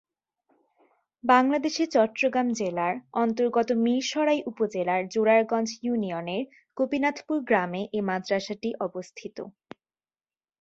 বাংলাদেশের চট্টগ্রাম জেলার অন্তর্গত মীরসরাই উপজেলার জোরারগঞ্জ ইউনিয়নের গোপীনাথপুর গ্রামে এ মাদ্রাসাটি অবস্থিত।